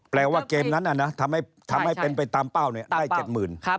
ว่าเกมนั้นทำให้เป็นไปตามเป้าได้๗๐๐๐บาท